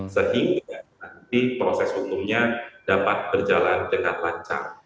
sehingga nanti proses hukumnya dapat berjalan dengan lancar